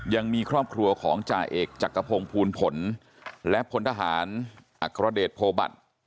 ยังมีครอบครัวของจ่าเอกจักรพงศ์ภูลผลและพลทหารอักรเดชโพบัตร